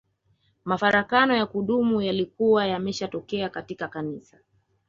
Mafarakano ya kudumu yalikuwa yameshatokea katika Kanisa